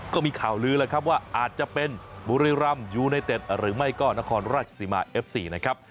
ก็มีข่าวลือแล้วครับว่าอาจจะเป็นบุรีรำยูไนเต็ดหรือไม่ก็นครราชสีมาเอฟซีนะครับ